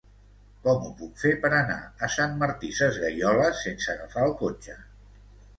Com ho puc fer per anar a Sant Martí Sesgueioles sense agafar el cotxe?